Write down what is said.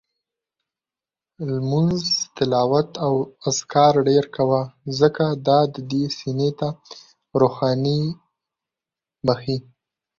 لمونځ، تلاوت او اذکار ډېر کوه، ځکه دا دې سینې ته روښاني بخښي